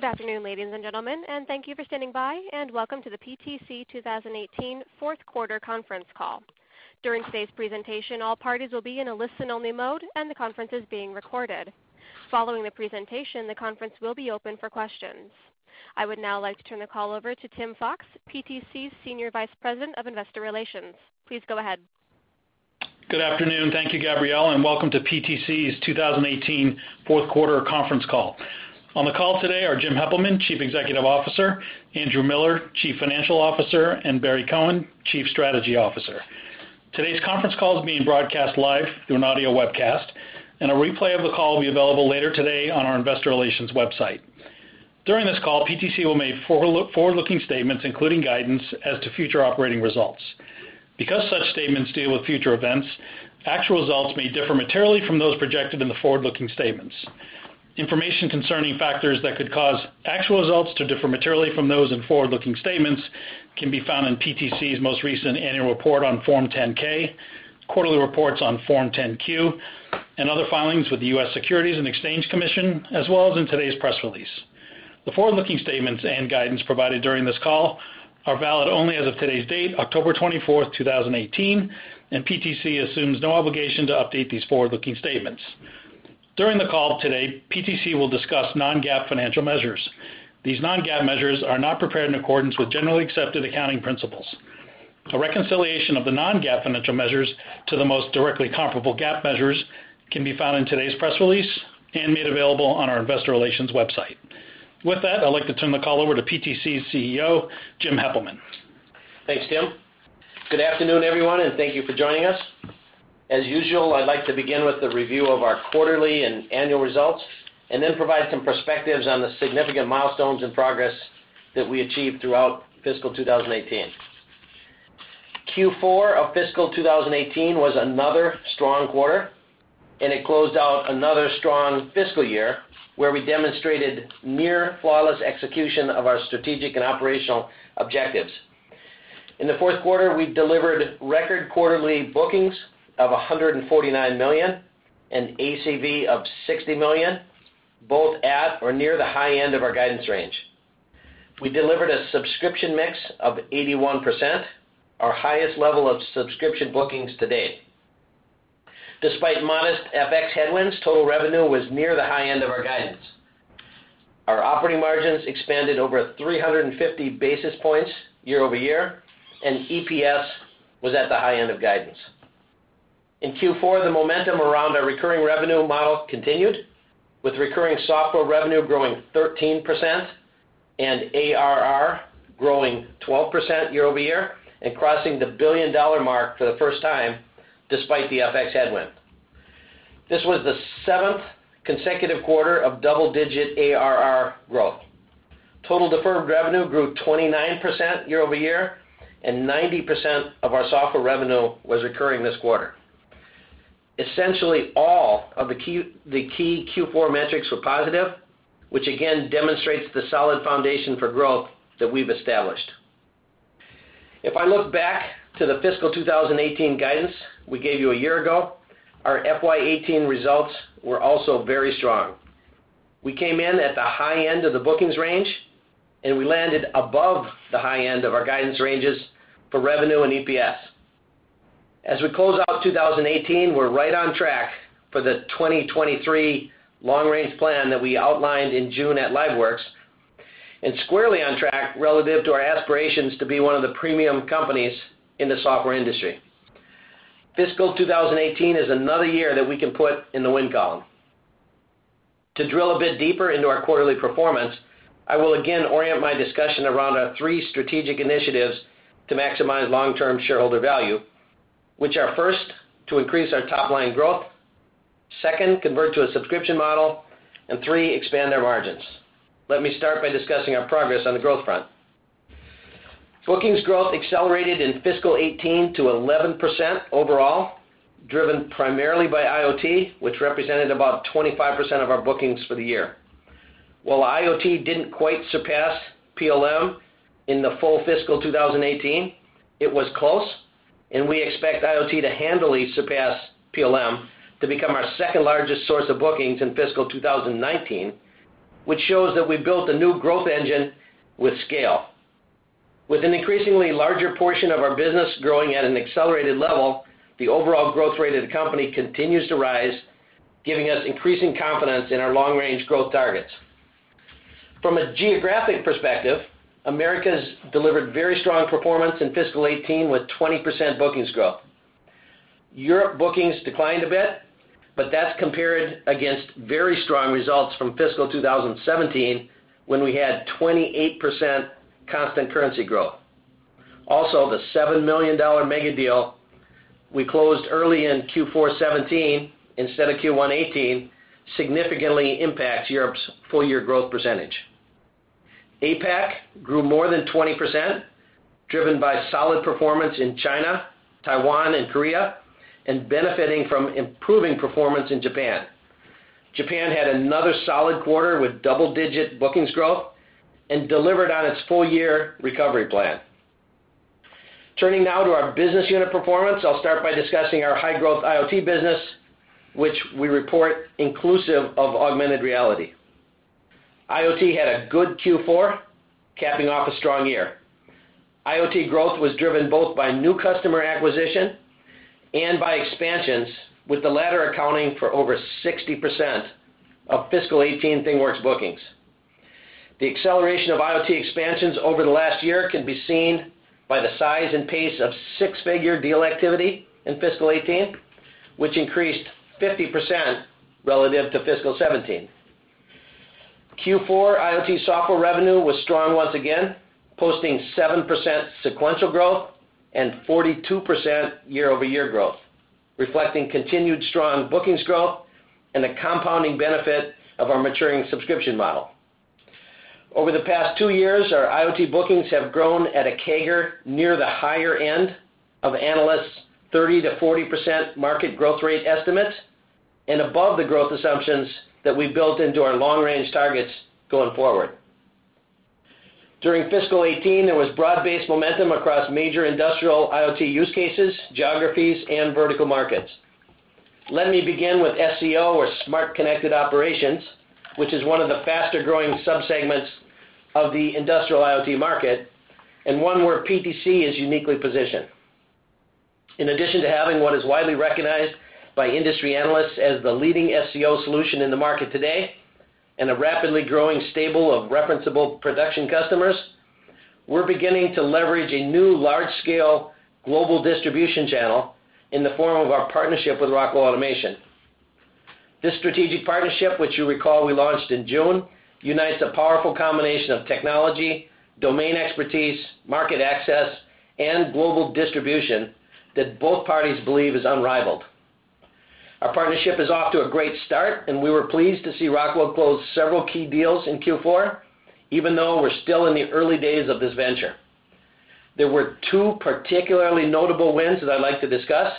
Good afternoon, ladies and gentlemen, thank you for standing by, welcome to the PTC 2018 fourth quarter conference call. During today's presentation, all parties will be in a listen-only mode, the conference is being recorded. Following the presentation, the conference will be open for questions. I would now like to turn the call over to Tim Fox, PTC's Senior Vice President of Investor Relations. Please go ahead. Good afternoon. Thank you, Gabriella, welcome to PTC's 2018 fourth quarter conference call. On the call today are Jim Heppelmann, Chief Executive Officer, Andrew Miller, Chief Financial Officer, Barry Cohen, Chief Strategy Officer. Today's conference call is being broadcast live through an audio webcast, a replay of the call will be available later today on our investor relations website. During this call, PTC will make forward-looking statements, including guidance as to future operating results. Because such statements deal with future events, actual results may differ materially from those projected in the forward-looking statements. Information concerning factors that could cause actual results to differ materially from those in forward-looking statements can be found in PTC's most recent annual report on Form 10-K, quarterly reports on Form 10-Q, and other filings with the U.S. Securities and Exchange Commission, as well as in today's press release. The forward-looking statements and guidance provided during this call are valid only as of today's date, October 24th, 2018, PTC assumes no obligation to update these forward-looking statements. During the call today, PTC will discuss non-GAAP financial measures. These non-GAAP measures are not prepared in accordance with generally accepted accounting principles. A reconciliation of the non-GAAP financial measures to the most directly comparable GAAP measures can be found in today's press release made available on our investor relations website. With that, I'd like to turn the call over to PTC's CEO, Jim Heppelmann. Thanks, Tim. Good afternoon, everyone, thank you for joining us. As usual, I'd like to begin with the review of our quarterly annual results, then provide some perspectives on the significant milestones and progress that we achieved throughout fiscal 2018. Q4 of fiscal 2018 was another strong quarter, it closed out another strong fiscal year where we demonstrated near-flawless execution of our strategic and operational objectives. In the fourth quarter, we delivered record quarterly bookings of $149 million and ACV of $60 million, both at or near the high end of our guidance range. We delivered a subscription mix of 81%, our highest level of subscription bookings to date. Despite modest FX headwinds, total revenue was near the high end of our guidance. Our operating margins expanded over 350 basis points year-over-year, EPS was at the high end of guidance. In Q4, the momentum around our recurring revenue model continued, with recurring software revenue growing 13% and ARR growing 12% year-over-year and crossing the billion-dollar mark for the first time, despite the FX headwind. This was the seventh consecutive quarter of double-digit ARR growth. Total deferred revenue grew 29% year-over-year, and 90% of our software revenue was recurring this quarter. Essentially all of the key Q4 metrics were positive, which again demonstrates the solid foundation for growth that we've established. If I look back to the fiscal 2018 guidance we gave you a year ago, our FY 2018 results were also very strong. We came in at the high end of the bookings range, and we landed above the high end of our guidance ranges for revenue and EPS. As we close out 2018, we're right on track for the 2023 long-range plan that we outlined in June at LiveWorx, and squarely on track relative to our aspirations to be one of the premium companies in the software industry. Fiscal 2018 is another year that we can put in the win column. To drill a bit deeper into our quarterly performance, I will again orient my discussion around our three strategic initiatives to maximize long-term shareholder value, which are, first, to increase our top-line growth, second, convert to a subscription model, and three, expand our margins. Let me start by discussing our progress on the growth front. Bookings growth accelerated in fiscal 2018 to 11% overall, driven primarily by IoT, which represented about 25% of our bookings for the year. While IoT didn't quite surpass PLM in the full fiscal 2018, it was close, and we expect IoT to handily surpass PLM to become our second-largest source of bookings in fiscal 2019, which shows that we've built a new growth engine with scale. With an increasingly larger portion of our business growing at an accelerated level, the overall growth rate of the company continues to rise, giving us increasing confidence in our long-range growth targets. From a geographic perspective, Americas delivered very strong performance in fiscal 2018 with 20% bookings growth. Europe bookings declined a bit, but that's compared against very strong results from fiscal 2017, when we had 28% constant currency growth. The $7 million mega deal we closed early in Q4 2017 instead of Q1 2018 significantly impacts Europe's full-year growth percentage. APAC grew more than 20%, driven by solid performance in China, Taiwan, and Korea, and benefiting from improving performance in Japan. Japan had another solid quarter with double-digit bookings growth and delivered on its full-year recovery plan. Turning now to our business unit performance, I'll start by discussing our high-growth IoT business, which we report inclusive of augmented reality. IoT had a good Q4, capping off a strong year. IoT growth was driven both by new customer acquisition and by expansions, with the latter accounting for over 60% of fiscal 2018 ThingWorx bookings. The acceleration of IoT expansions over the last year can be seen by the size and pace of six-figure deal activity in fiscal 2018, which increased 50% relative to fiscal 2017. Q4 IoT software revenue was strong once again, posting 7% sequential growth and 42% year-over-year growth, reflecting continued strong bookings growth and the compounding benefit of our maturing subscription model. Over the past two years, our IoT bookings have grown at a CAGR near the higher end of analysts' 30%-40% market growth rate estimates and above the growth assumptions that we've built into our long-range targets going forward. During fiscal 2018, there was broad-based momentum across major industrial IoT use cases, geographies, and vertical markets. Let me begin with SCO, or Smart Connected Operations, which is one of the faster-growing subsegments of the industrial IoT market and one where PTC is uniquely positioned. In addition to having what is widely recognized by industry analysts as the leading SCO solution in the market today and a rapidly growing stable of referenceable production customers, we're beginning to leverage a new large-scale global distribution channel in the form of our partnership with Rockwell Automation. This strategic partnership, which you recall we launched in June, unites a powerful combination of technology, domain expertise, market access, and global distribution that both parties believe is unrivaled. Our partnership is off to a great start, and we were pleased to see Rockwell close several key deals in Q4, even though we're still in the early days of this venture. There were two particularly notable wins that I'd like to discuss.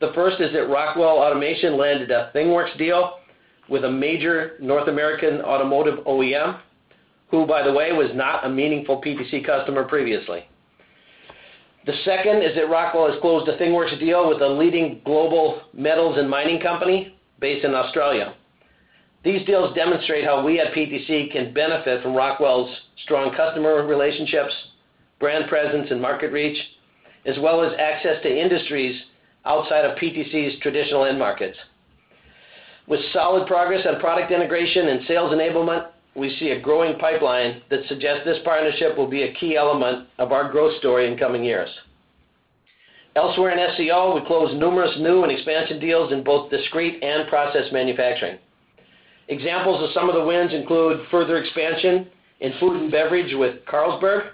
The first is that Rockwell Automation landed a ThingWorx deal with a major North American automotive OEM, who, by the way, was not a meaningful PTC customer previously. The second is that Rockwell has closed a ThingWorx deal with a leading global metals and mining company based in Australia. These deals demonstrate how we at PTC can benefit from Rockwell's strong customer relationships, brand presence, and market reach, as well as access to industries outside of PTC's traditional end markets. With solid progress on product integration and sales enablement, we see a growing pipeline that suggests this partnership will be a key element of our growth story in coming years. Elsewhere in SCO, we closed numerous new and expansion deals in both discrete and process manufacturing. Examples of some of the wins include further expansion in food and beverage with Carlsberg,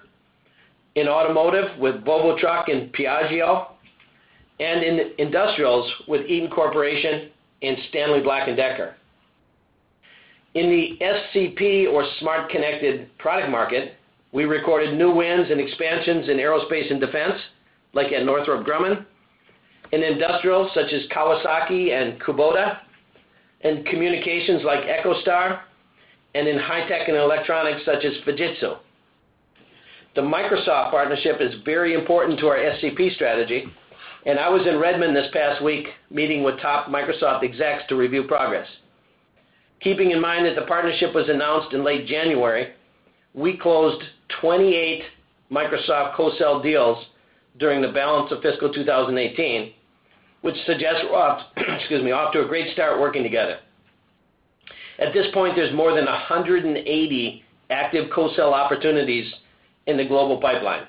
in automotive with Volvo Trucks and Piaggio, and in industrials with Eaton Corporation and Stanley Black & Decker. In the SCP, or Smart Connected Product market, we recorded new wins and expansions in aerospace and defense, like at Northrop Grumman, in industrials such as Kawasaki and Kubota, in communications like EchoStar, and in high-tech and electronics such as Fujitsu. The Microsoft partnership is very important to our SCP strategy, and I was in Redmond this past week meeting with top Microsoft execs to review progress. Keeping in mind that the partnership was announced in late January, we closed 28 Microsoft co-sell deals during the balance of fiscal 2018, which suggests we're off to a great start working together. At this point, there's more than 180 active co-sell opportunities in the global pipeline.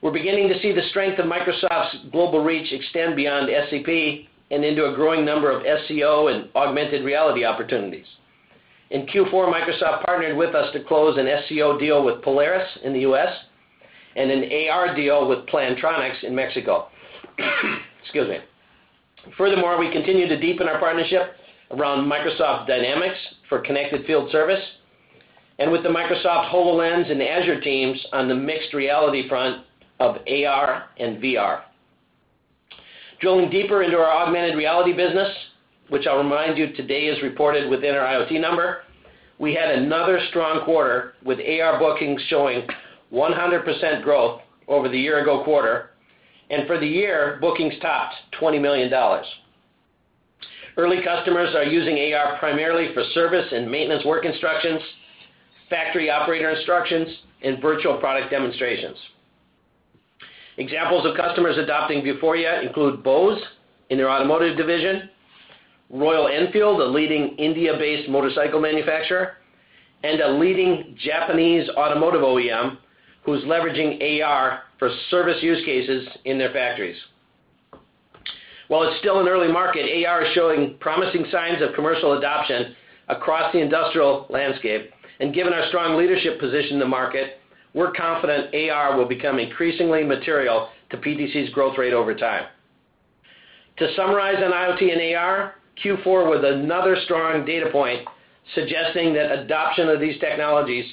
We're beginning to see the strength of Microsoft's global reach extend beyond SCP and into a growing number of SCO and augmented reality opportunities. In Q4, Microsoft partnered with us to close an SCO deal with Polaris in the U.S. and an AR deal with Plantronics in Mexico. Excuse me. Furthermore, we continue to deepen our partnership around Microsoft Dynamics for connected field service and with the Microsoft HoloLens and Azure teams on the mixed reality front of AR and VR. Drilling deeper into our augmented reality business, which I'll remind you today is reported within our IoT number, we had another strong quarter, with AR bookings showing 100% growth over the year-ago quarter. For the year, bookings topped $20 million. Early customers are using AR primarily for service and maintenance work instructions, factory operator instructions, and virtual product demonstrations. Examples of customers adopting Vuforia include Bose in their automotive division, Royal Enfield, a leading India-based motorcycle manufacturer, and a leading Japanese automotive OEM who's leveraging AR for service use cases in their factories. While it's still an early market, AR is showing promising signs of commercial adoption across the industrial landscape. Given our strong leadership position in the market, we're confident AR will become increasingly material to PTC's growth rate over time. To summarize on IoT and AR, Q4 was another strong data point suggesting that adoption of these technologies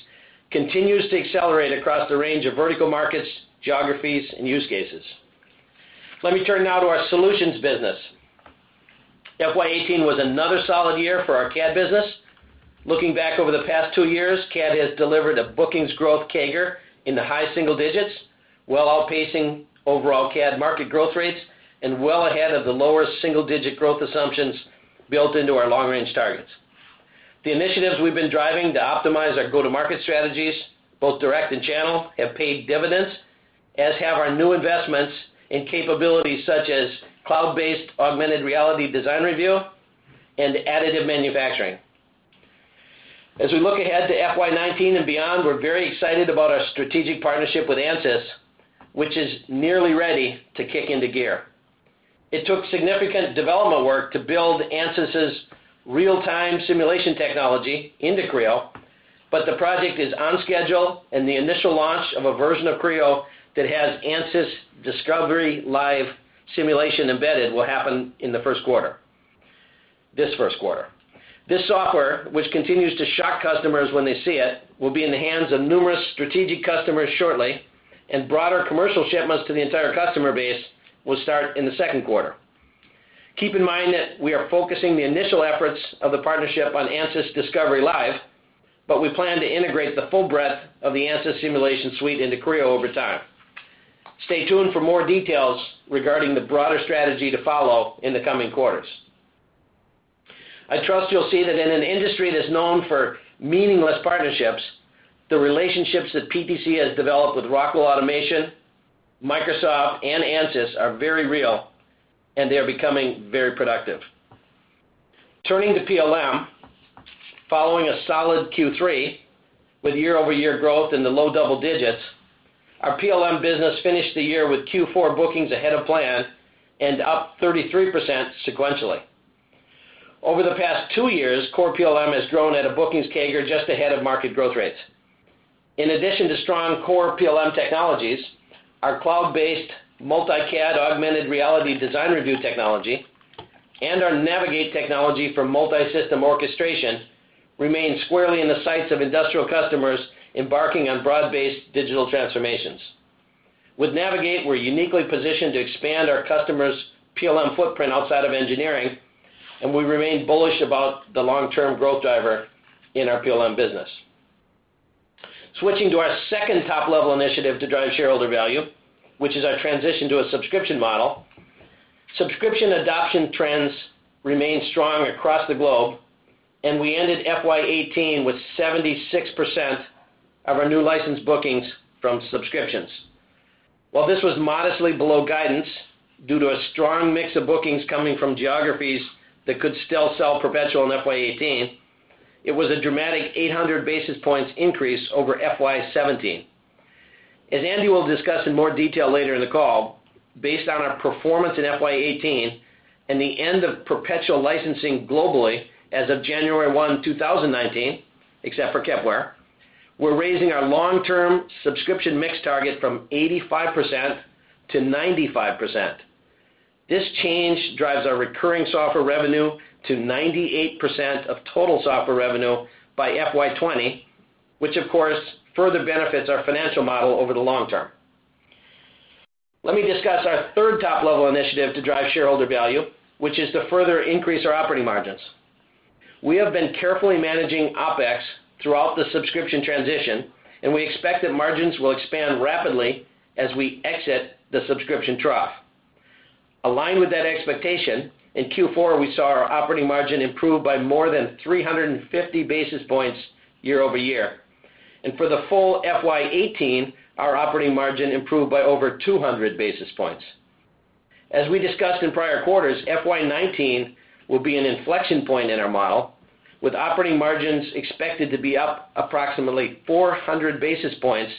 continues to accelerate across the range of vertical markets, geographies, and use cases. Let me turn now to our solutions business. FY 2018 was another solid year for our CAD business. Looking back over the past two years, CAD has delivered a bookings growth CAGR in the high single digits, well outpacing overall CAD market growth rates and well ahead of the lower single-digit growth assumptions built into our long-range targets. The initiatives we've been driving to optimize our go-to-market strategies, both direct and channel, have paid dividends, as have our new investments in capabilities such as cloud-based augmented reality design review and additive manufacturing. We look ahead to FY 2019 and beyond, we're very excited about our strategic partnership with Ansys, which is nearly ready to kick into gear. It took significant development work to build Ansys's real-time simulation technology into Creo, but the project is on schedule, and the initial launch of a version of Creo that has Ansys Discovery Live simulation embedded will happen in the first quarter. This software, which continues to shock customers when they see it, will be in the hands of numerous strategic customers shortly, and broader commercial shipments to the entire customer base will start in the second quarter. Keep in mind that we are focusing the initial efforts of the partnership on Ansys Discovery Live, but we plan to integrate the full breadth of the Ansys simulation suite into Creo over time. Stay tuned for more details regarding the broader strategy to follow in the coming quarters. I trust you'll see that in an industry that's known for meaningless partnerships, the relationships that PTC has developed with Rockwell Automation, Microsoft, and Ansys are very real, and they are becoming very productive. Turning to PLM. Following a solid Q3 with year-over-year growth in the low double digits, our PLM business finished the year with Q4 bookings ahead of plan and up 33% sequentially. Over the past two years, core PLM has grown at a bookings CAGR just ahead of market growth rates. In addition to strong core PLM technologies, our cloud-based multi-CAD augmented reality design review technology and our Navigate technology for multi-system orchestration remain squarely in the sights of industrial customers embarking on broad-based digital transformations. With Navigate, we're uniquely positioned to expand our customers' PLM footprint outside of engineering, and we remain bullish about the long-term growth driver in our PLM business. Switching to our second top-level initiative to drive shareholder value, which is our transition to a subscription model. Subscription adoption trends remain strong across the globe, and we ended FY 2018 with 76% of our new license bookings from subscriptions. While this was modestly below guidance due to a strong mix of bookings coming from geographies that could still sell perpetual in FY 2018, it was a dramatic 800 basis points increase over FY 2017. As Andy will discuss in more detail later in the call, based on our performance in FY 2018 and the end of perpetual licensing globally as of January 1, 2019, except for Kepware, we're raising our long-term subscription mix target from 85% to 95%. This change drives our recurring software revenue to 98% of total software revenue by FY 2020, which of course, further benefits our financial model over the long term. Let me discuss our third top-level initiative to drive shareholder value, which is to further increase our operating margins. We have been carefully managing OpEx throughout the subscription transition, and we expect that margins will expand rapidly as we exit the subscription trough. Aligned with that expectation, in Q4, we saw our operating margin improve by more than 350 basis points year-over-year. For the full FY 2018, our operating margin improved by over 200 basis points. As we discussed in prior quarters, FY 2019 will be an inflection point in our model, with operating margins expected to be up approximately 400 basis points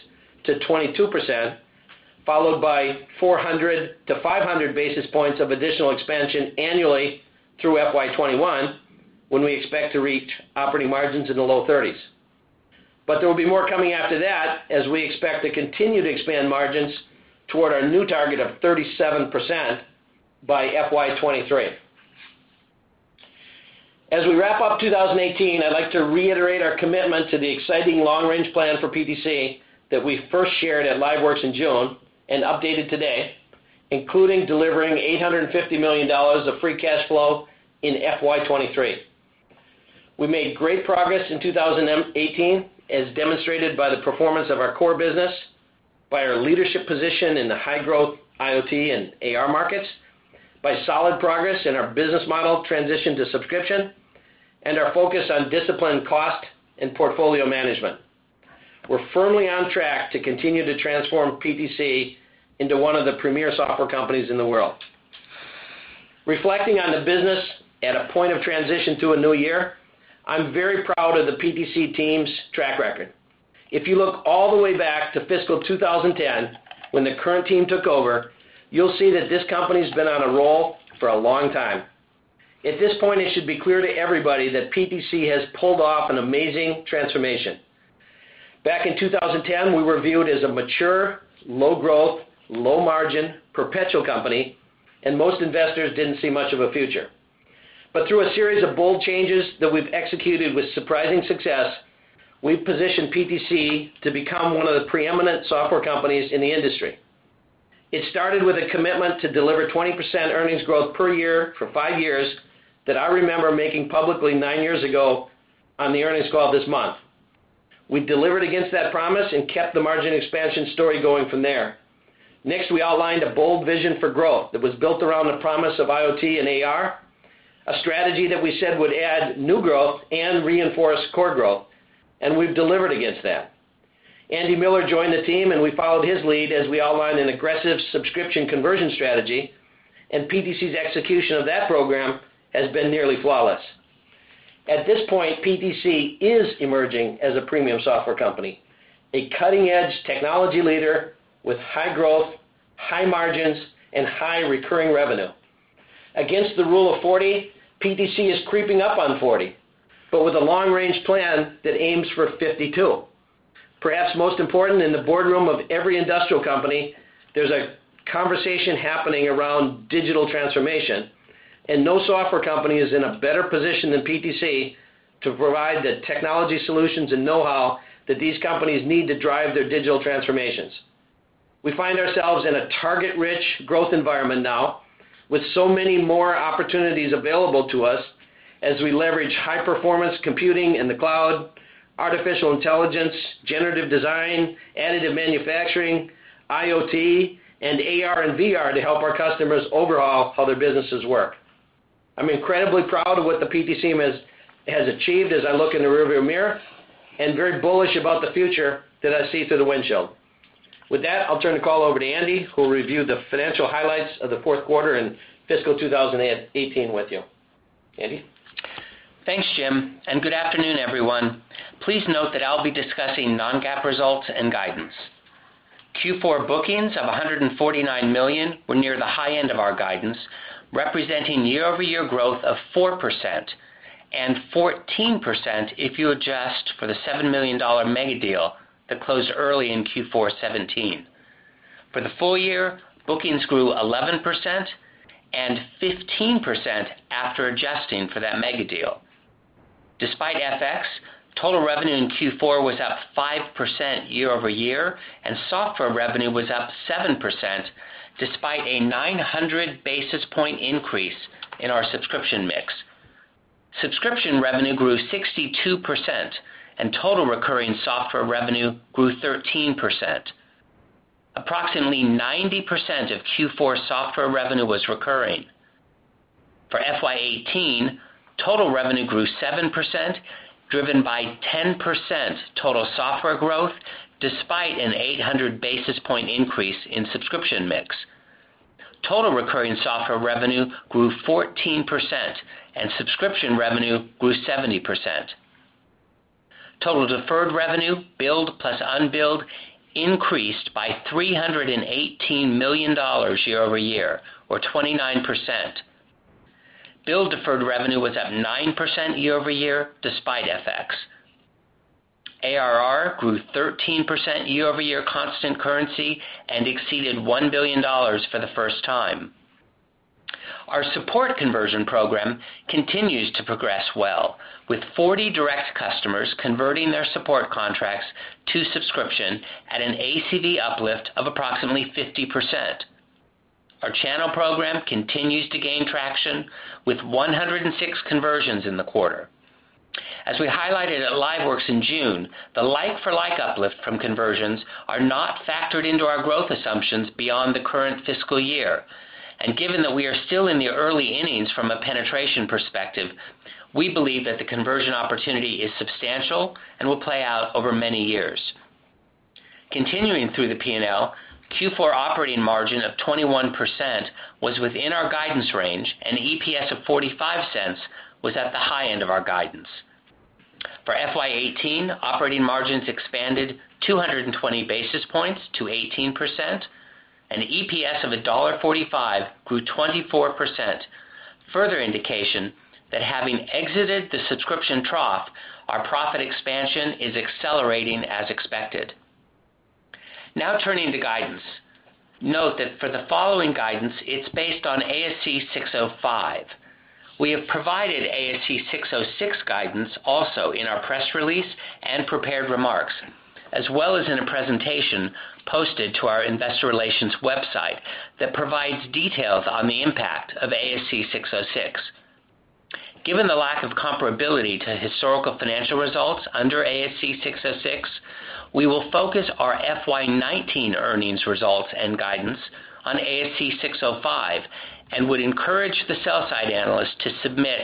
to 22%, followed by 400 to 500 basis points of additional expansion annually through FY 2021, when we expect to reach operating margins in the low 30s. There will be more coming after that, as we expect to continue to expand margins toward our new target of 37% by FY 2023. As we wrap up 2018, I'd like to reiterate our commitment to the exciting long-range plan for PTC that we first shared at LiveWorx in June and updated today, including delivering $850 million of free cash flow in FY 2023. We made great progress in 2018, as demonstrated by the performance of our core business, by our leadership position in the high-growth IoT and AR markets, by solid progress in our business model transition to subscription, and our focus on disciplined cost and portfolio management. We're firmly on track to continue to transform PTC into one of the premier software companies in the world. Reflecting on the business at a point of transition to a new year, I'm very proud of the PTC team's track record. If you look all the way back to fiscal 2010 when the current team took over, you'll see that this company's been on a roll for a long time. At this point, it should be clear to everybody that PTC has pulled off an amazing transformation. Back in 2010, we were viewed as a mature, low-growth, low-margin perpetual company, and most investors didn't see much of a future. Through a series of bold changes that we've executed with surprising success, we've positioned PTC to become one of the preeminent software companies in the industry. It started with a commitment to deliver 20% earnings growth per year for five years that I remember making publicly nine years ago on the earnings call this month. We delivered against that promise and kept the margin expansion story going from there. We outlined a bold vision for growth that was built around the promise of IoT and AR, a strategy that we said would add new growth and reinforce core growth, and we've delivered against that. Andy Miller joined the team, and we followed his lead as we outlined an aggressive subscription conversion strategy, and PTC's execution of that program has been nearly flawless. At this point, PTC is emerging as a premium software company, a cutting-edge technology leader with high growth, high margins, and high recurring revenue. Against the rule of 40, PTC is creeping up on 40, but with a long-range plan that aims for 52. Most important, in the boardroom of every industrial company, there's a conversation happening around digital transformation, and no software company is in a better position than PTC to provide the technology solutions and know-how that these companies need to drive their digital transformations. We find ourselves in a target-rich growth environment now, with so many more opportunities available to us as we leverage high-performance computing in the cloud, artificial intelligence, generative design, additive manufacturing, IoT, and AR and VR to help our customers overhaul how their businesses work. I'm incredibly proud of what PTC has achieved as I look in the rear-view mirror, and very bullish about the future that I see through the windshield. I'll turn the call over to Andy, who will review the financial highlights of the fourth quarter and fiscal 2018 with you. Andy? Thanks, Jim, and good afternoon, everyone. I'll be discussing non-GAAP results and guidance. Q4 bookings of $149 million were near the high end of our guidance, representing year-over-year growth of 4% and 14% if you adjust for the $7 million mega deal that closed early in Q4 2017. For the full year, bookings grew 11% and 15% after adjusting for that mega deal. Despite FX, total revenue in Q4 was up 5% year-over-year, and software revenue was up 7%, despite a 900-basis point increase in our subscription mix. Subscription revenue grew 62%, and total recurring software revenue grew 13%. Approximately 90% of Q4 software revenue was recurring. For FY 2018, total revenue grew 7%, driven by 10% total software growth, despite an 800-basis point increase in subscription mix. Total recurring software revenue grew 14%, and subscription revenue grew 70%. Total deferred revenue, billed plus unbilled, increased by $318 million year-over-year, or 29%. Billed deferred revenue was up 9% year-over-year, despite FX. ARR grew 13% year-over-year constant currency and exceeded $1 billion for the first time. Our support conversion program continues to progress well, with 40 direct customers converting their support contracts to subscription at an ACV uplift of approximately 50%. Our channel program continues to gain traction, with 106 conversions in the quarter. As we highlighted at LiveWorx in June, the like-for-like uplift from conversions are not factored into our growth assumptions beyond the current fiscal year. Given that we are still in the early innings from a penetration perspective, we believe that the conversion opportunity is substantial and will play out over many years. Continuing through the P&L, Q4 operating margin of 21% was within our guidance range, and EPS of $0.45 was at the high end of our guidance. For FY 2018, operating margins expanded 220 basis points to 18%, and EPS of $1.45 grew 24%, further indication that having exited the subscription trough, our profit expansion is accelerating as expected. Turning to guidance. Note that for the following guidance, it is based on ASC 605. We have provided ASC 606 guidance also in our press release and prepared remarks, as well as in a presentation posted to our investor relations website that provides details on the impact of ASC 606. Given the lack of comparability to historical financial results under ASC 606, we will focus our FY 2019 earnings results and guidance on ASC 605 and would encourage the sell-side analysts to submit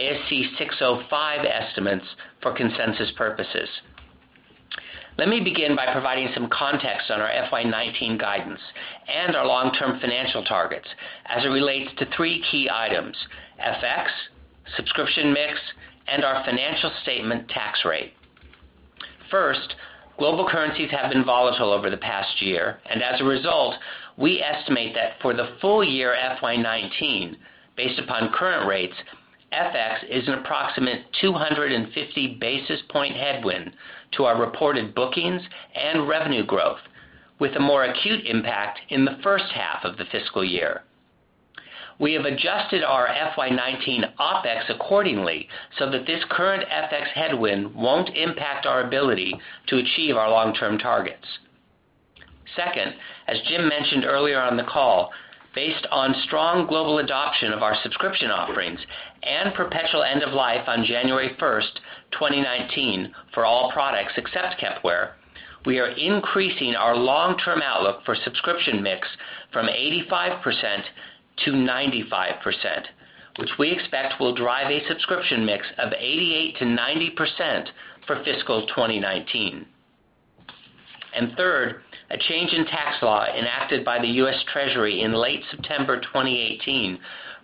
ASC 605 estimates for consensus purposes. Let me begin by providing some context on our FY 2019 guidance and our long-term financial targets as it relates to three key items, FX, subscription mix, and our financial statement tax rate. First, global currencies have been volatile over the past year, as a result, we estimate that for the full year FY 2019, based upon current rates, FX is an approximate 250-basis point headwind to our reported bookings and revenue growth, with a more acute impact in the first half of the fiscal year. We have adjusted our FY 2019 OpEx accordingly so that this current FX headwind won't impact our ability to achieve our long-term targets. Second, as Jim mentioned earlier on the call, based on strong global adoption of our subscription offerings and perpetual end of life on January 1st, 2019 for all products except Kepware, we are increasing our long-term outlook for subscription mix from 85%-95%, which we expect will drive a subscription mix of 88%-90% for fiscal 2019. Third, a change in tax law enacted by the U.S. Treasury in late September 2018,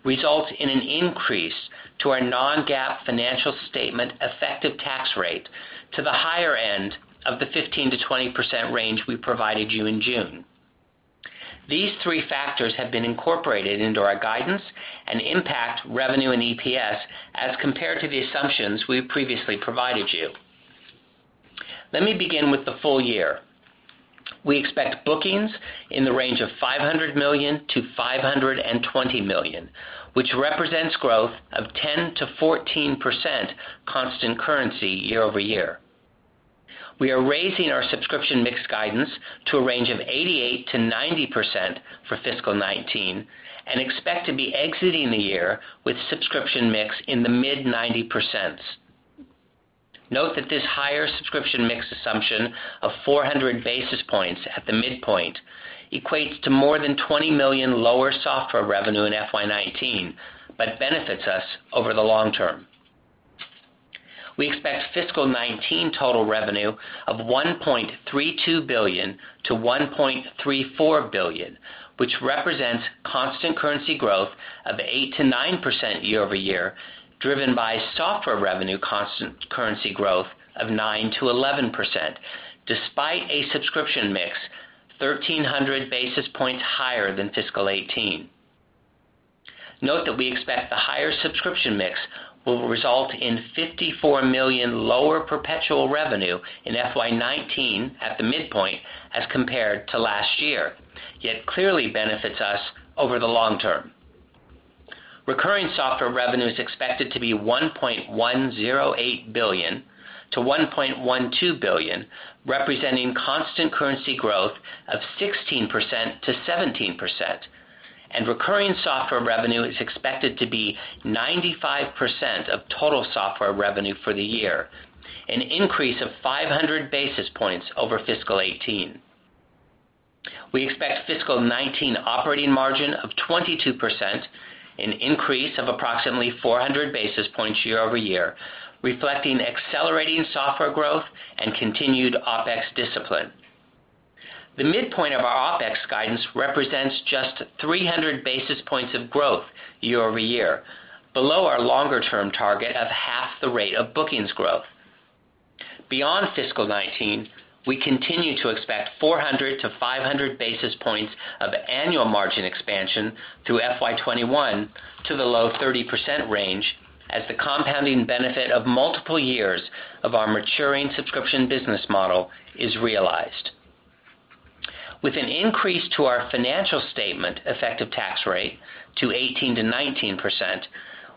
results in an increase to our non-GAAP financial statement effective tax rate to the higher end of the 15%-20% range we provided you in June. These three factors have been incorporated into our guidance and impact revenue and EPS as compared to the assumptions we have previously provided you. Let me begin with the full year. We expect bookings in the range of $500 million-$520 million, which represents growth of 10%-14% constant currency year-over-year. We are raising our subscription mix guidance to a range of 88%-90% for fiscal 2019. We expect to be exiting the year with subscription mix in the mid 90%. Note that this higher subscription mix assumption of 400 basis points at the midpoint equates to more than $20 million lower software revenue in FY 2019, but benefits us over the long term. We expect fiscal 2019 total revenue of $1.32 billion-$1.34 billion, which represents constant currency growth of 8%-9% year-over-year, driven by software revenue constant currency growth of 9%-11%, despite a subscription mix 1,300 basis points higher than fiscal 2018. Note that we expect the higher subscription mix will result in $54 million lower perpetual revenue in FY 2019 at the midpoint as compared to last year, yet clearly benefits us over the long term. Recurring software revenue is expected to be $1.108 billion-$1.12 billion, representing constant currency growth of 16%-17%, and recurring software revenue is expected to be 95% of total software revenue for the year, an increase of 500 basis points over fiscal 2018. We expect fiscal 2019 operating margin of 22%, an increase of approximately 400 basis points year-over-year, reflecting accelerating software growth and continued OpEx discipline. The midpoint of our OpEx guidance represents just 300 basis points of growth year-over-year, below our longer-term target of half the rate of bookings growth. Beyond fiscal 2019, we continue to expect 400-500 basis points of annual margin expansion through FY 2021 to the low-30% range as the compounding benefit of multiple years of our maturing subscription business model is realized. With an increase to our financial statement effective tax rate to 18%-19%,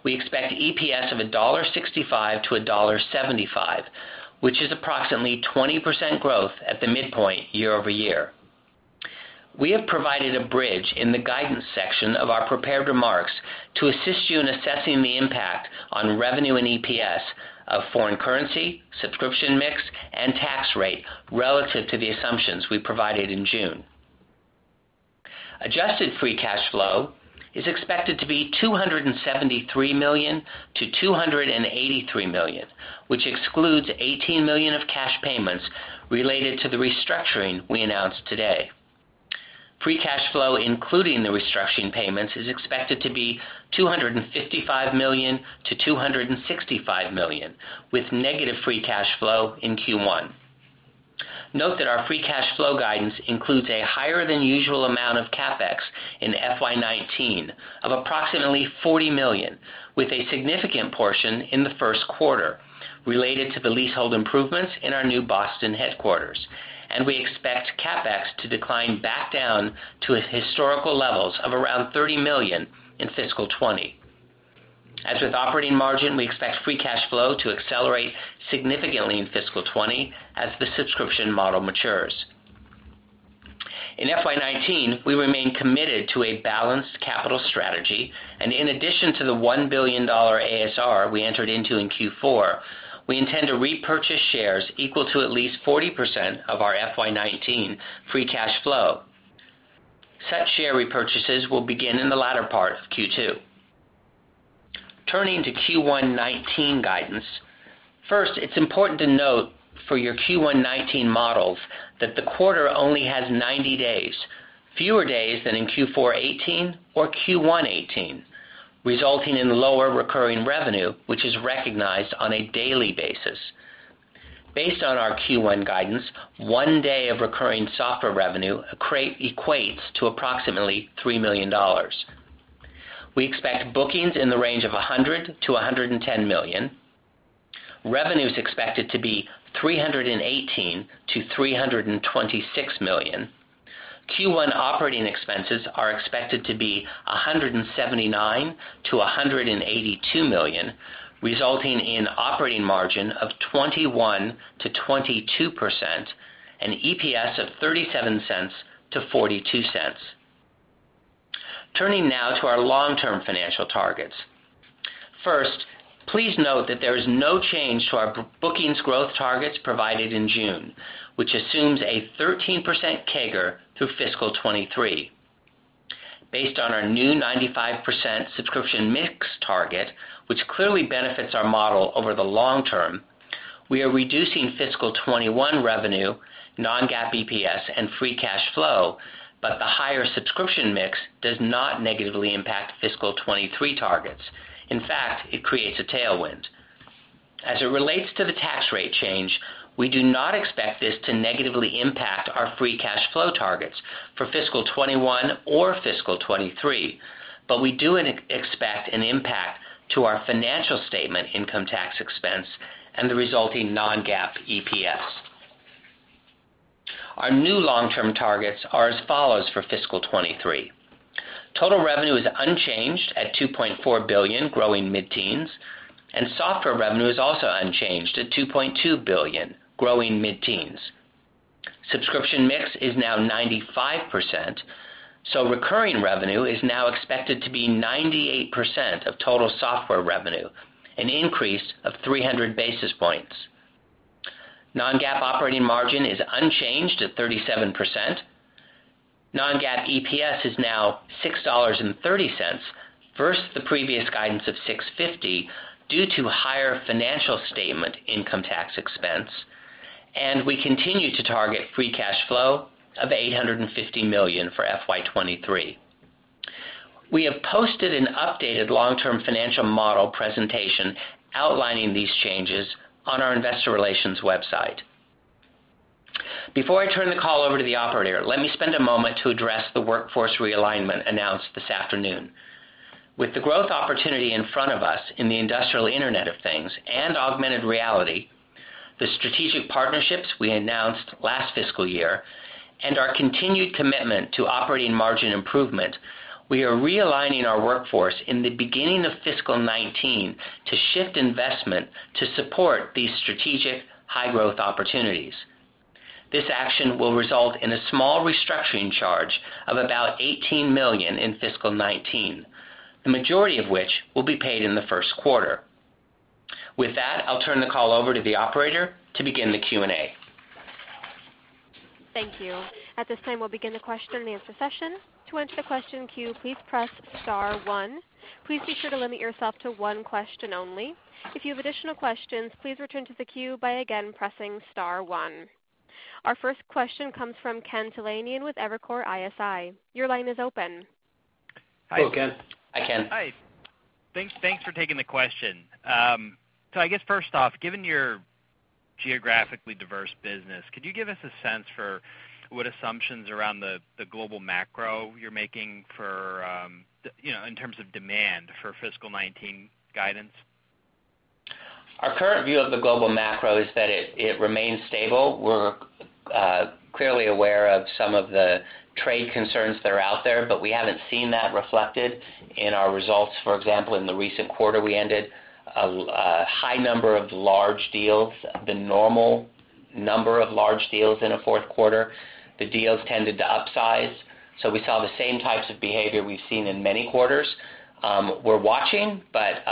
we expect EPS of $1.65-$1.75, which is approximately 20% growth at the midpoint year-over-year. We have provided a bridge in the guidance section of our prepared remarks to assist you in assessing the impact on revenue and EPS of foreign currency, subscription mix, and tax rate relative to the assumptions we provided in June. Adjusted free cash flow is expected to be $273 million-$283 million, which excludes $18 million of cash payments related to the restructuring we announced today. Free cash flow, including the restructuring payments, is expected to be $255 million-$265 million, with negative free cash flow in Q1. Note that our free cash flow guidance includes a higher than usual amount of CapEx in FY 2019 of approximately $40 million, with a significant portion in the first quarter related to the leasehold improvements in our new Boston headquarters. We expect CapEx to decline back down to historical levels of around $30 million in fiscal 2020. As with operating margin, we expect free cash flow to accelerate significantly in fiscal 2020 as the subscription model matures. In FY 2019, we remain committed to a balanced capital strategy, and in addition to the $1 billion ASR we entered into in Q4, we intend to repurchase shares equal to at least 40% of our FY 2019 free cash flow. Such share repurchases will begin in the latter part of Q2. Turning to Q1 2019 guidance. First, it's important to note for your Q1 2019 models that the quarter only has 90 days, fewer days than in Q4 2018 or Q1 2018, resulting in lower recurring revenue, which is recognized on a daily basis. Based on our Q1 guidance, one day of recurring software revenue equates to approximately $3 million. We expect bookings in the range of $100 million-$110 million. Revenue is expected to be $318 million-$326 million. Q1 operating expenses are expected to be $179 million-$182 million, resulting in operating margin of 21%-22%, an EPS of $0.37-$0.42. Turning now to our long-term financial targets. First, please note that there is no change to our bookings growth targets provided in June, which assumes a 13% CAGR through fiscal 2023. Based on our new 95% subscription mix target, which clearly benefits our model over the long term, we are reducing fiscal 2021 revenue, non-GAAP EPS, and free cash flow. The higher subscription mix does not negatively impact fiscal 2023 targets. In fact, it creates a tailwind. As it relates to the tax rate change, we do not expect this to negatively impact our free cash flow targets for fiscal 2021 or fiscal 2023, but we do expect an impact to our financial statement income tax expense and the resulting non-GAAP EPS. Our new long-term targets are as follows for fiscal 2023. Total revenue is unchanged at $2.4 billion, growing mid-teens, and software revenue is also unchanged at $2.2 billion, growing mid-teens. Subscription mix is now 95%, recurring revenue is now expected to be 98% of total software revenue, an increase of 300 basis points. Non-GAAP operating margin is unchanged at 37%. Non-GAAP EPS is now $6.30 versus the previous guidance of $6.50 due to higher financial statement income tax expense. We continue to target free cash flow of $850 million for FY 2023. We have posted an updated long-term financial model presentation outlining these changes on our investor relations website. Before I turn the call over to the operator, let me spend a moment to address the workforce realignment announced this afternoon. With the growth opportunity in front of us in the industrial Internet of Things and augmented reality, the strategic partnerships we announced last fiscal year, and our continued commitment to operating margin improvement, we are realigning our workforce in the beginning of fiscal 2019 to shift investment to support these strategic high-growth opportunities. This action will result in a small restructuring charge of about $18 million in fiscal 2019, the majority of which will be paid in the first quarter. With that, I'll turn the call over to the operator to begin the Q&A. Thank you. At this time, we'll begin the question and answer session. To enter the question queue, please press star one. Please be sure to limit yourself to one question only. If you have additional questions, please return to the queue by again pressing star one. Our first question comes from Ken Talanian with Evercore ISI. Your line is open. Hello, Ken. Hi, Ken. Hi. Thanks for taking the question. I guess first off, given your geographically diverse business, could you give us a sense for what assumptions around the global macro you're making in terms of demand for fiscal 2019 guidance? Our current view of the global macro is that it remains stable. We're clearly aware of some of the trade concerns that are out there, but we haven't seen that reflected in our results. For example, in the recent quarter, we ended a high number of large deals, the normal number of large deals in a fourth quarter. The deals tended to upsize. We saw the same types of behavior we've seen in many quarters. We're watching, but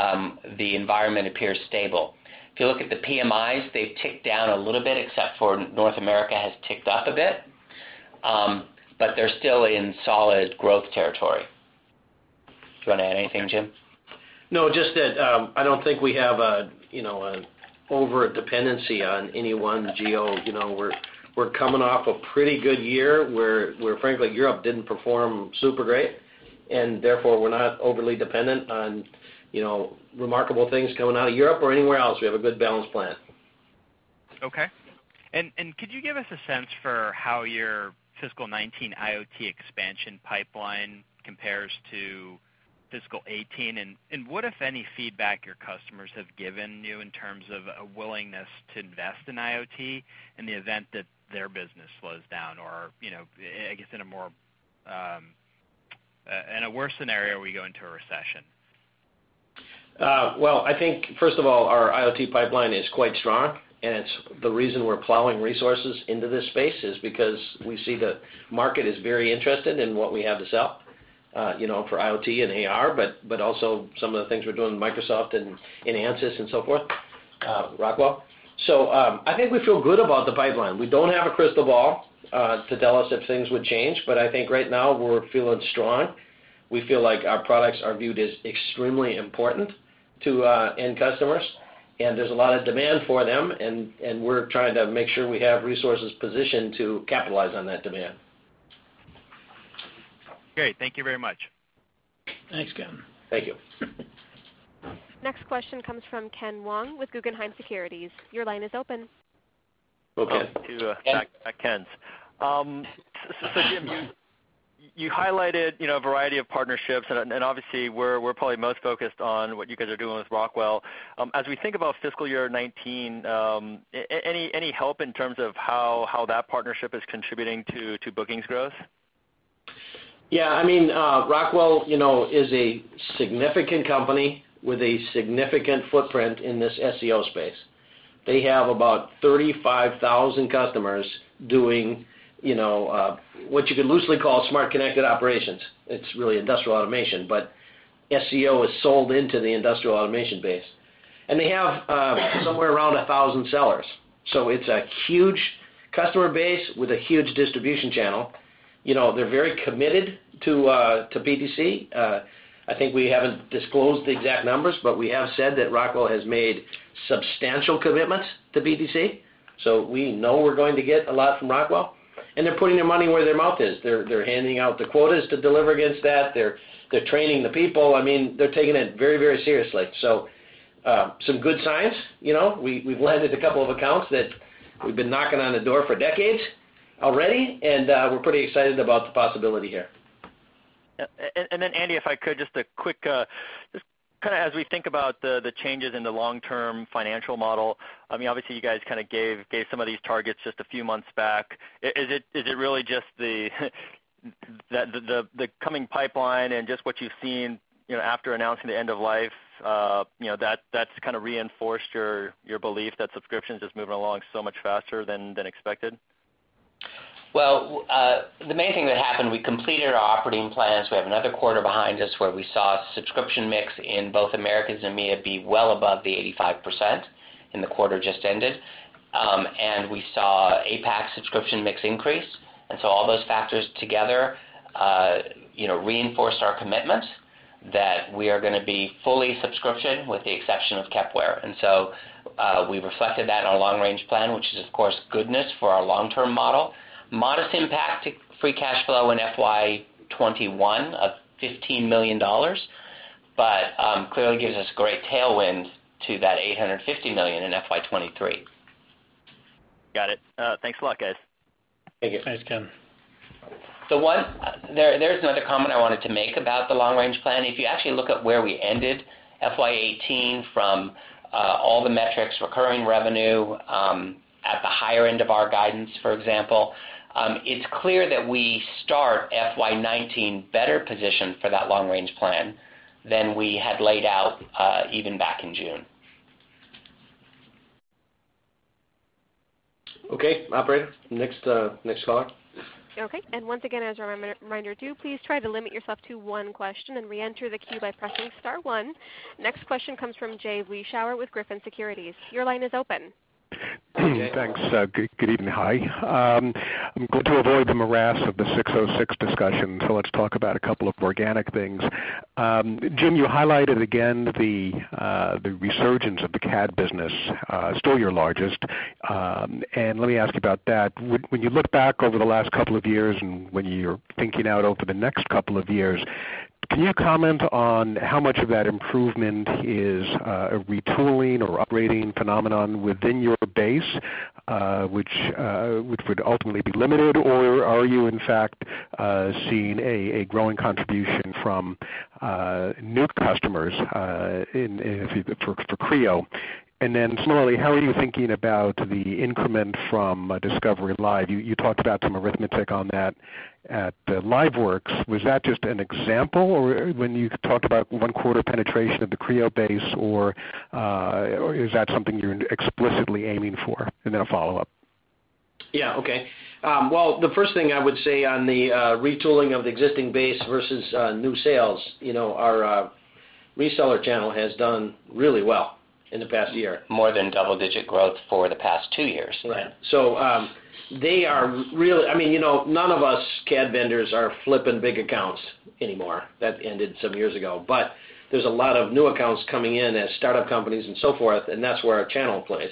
the environment appears stable. If you look at the PMIs, they've ticked down a little bit, except for North America has ticked up a bit, but they're still in solid growth territory. Do you want to add anything, Jim? No, just that I don't think we have an over-dependency on any one geo. We're coming off a pretty good year where, frankly, Europe didn't perform super great, therefore we're not overly dependent on remarkable things coming out of Europe or anywhere else. We have a good balanced plan. Okay. Could you give us a sense for how your fiscal 2019 IoT expansion pipeline compares to fiscal 2018, and what, if any, feedback your customers have given you in terms of a willingness to invest in IoT in the event that their business slows down, or I guess in a worse scenario, we go into a recession? Well, I think first of all, our IoT pipeline is quite strong, it's the reason we're plowing resources into this space is because we see the market is very interested in what we have to sell for IoT and AR, but also some of the things we're doing with Microsoft and Ansys and so forth, Rockwell. I think we feel good about the pipeline. We don't have a crystal ball to tell us if things would change, but I think right now we're feeling strong. We feel like our products are viewed as extremely important to end customers, there's a lot of demand for them, we're trying to make sure we have resources positioned to capitalize on that demand. Great. Thank you very much. Thanks, Ken. Thank you. Next question comes from Kenneth Wong with Guggenheim Securities. Your line is open. Okay. To back Ken's. Jim, you highlighted a variety of partnerships, and obviously we're probably most focused on what you guys are doing with Rockwell. As we think about fiscal year 2019, any help in terms of how that partnership is contributing to bookings growth? Yeah. Rockwell is a significant company with a significant footprint in this SCO space. They have about 35,000 customers doing what you could loosely call Smart Connected Operations. It's really industrial automation, but SCO is sold into the industrial automation base. They have somewhere around 1,000 sellers. It's a huge customer base with a huge distribution channel. They're very committed to PTC. I think we haven't disclosed the exact numbers, but we have said that Rockwell has made substantial commitments to PTC, we know we're going to get a lot from Rockwell, and they're putting their money where their mouth is. They're handing out the quotas to deliver against that. They're training the people. They're taking it very seriously. Some good signs. We've landed a couple of accounts that we've been knocking on the door for decades already, and we're pretty excited about the possibility here. Andy, if I could, just as we think about the changes in the long-term financial model, obviously you guys gave some of these targets just a few months back. Is it really just the coming pipeline and just what you've seen after announcing the end of life, that's reinforced your belief that subscriptions is moving along so much faster than expected? Well, the main thing that happened, we completed our operating plans. We have another quarter behind us where we saw subscription mix in both Americas and EMEA be well above the 85% in the quarter just ended. We saw APAC subscription mix increase. All those factors together reinforced our commitment that we are going to be fully subscription with the exception of Kepware. We reflected that in our long-range plan, which is of course goodness for our long-term model. Modest impact to free cash flow in FY 2021 of $15 million, but clearly gives us great tailwind to that $850 million in FY 2023. Got it. Thanks a lot, guys. Thank you. Thanks, Ken. There is another comment I wanted to make about the long-range plan. If you actually look at where we ended FY 2018 from all the metrics, recurring revenue, at the higher end of our guidance, for example, it's clear that we start FY 2019 better positioned for that long-range plan than we had laid out, even back in June. Okay. Operator, next caller. Okay. Once again, as a reminder too, please try to limit yourself to one question and reenter the queue by pressing star 1. Next question comes from Jay Vleeschhouwer with Griffin Securities. Your line is open. Thanks. Good evening. Hi. I'm going to avoid the morass of the 606 discussion, let's talk about a couple of organic things. Jim, you highlighted again the resurgence of the CAD business, still your largest. Let me ask about that. When you look back over the last couple of years and when you're thinking out over the next couple of years, can you comment on how much of that improvement is a retooling or upgrading phenomenon within your base, which would ultimately be limited? Or are you in fact seeing a growing contribution from new customers for Creo? Similarly, how are you thinking about the increment from Discovery Live? You talked about some arithmetic on that at the LiveWorx. Was that just an example or when you talked about one quarter penetration of the Creo base, or is that something you're explicitly aiming for? Then a follow-up. Yeah. Okay. Well, the first thing I would say on the retooling of the existing base versus new sales, our reseller channel has done really well in the past year. More than double-digit growth for the past two years. Right. None of us CAD vendors are flipping big accounts anymore. That ended some years ago. There's a lot of new accounts coming in as startup companies and so forth, and that's where our channel plays.